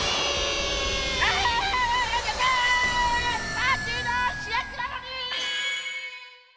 パーティーのしゅやくなのに！